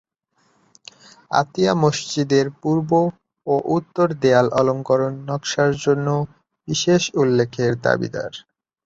আতিয়া মসজিদের পূর্ব ও উত্তর দেয়াল অলঙ্করণ নকশার জন্য বিশেষ উল্লেখের দাবিদার।